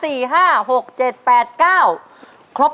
ต้นไม้ประจำจังหวัดระยองการครับ